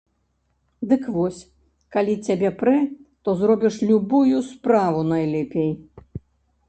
Дык вось, калі цябе прэ, то зробіш любую справу найлепей!